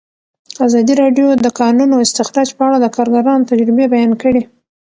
ازادي راډیو د د کانونو استخراج په اړه د کارګرانو تجربې بیان کړي.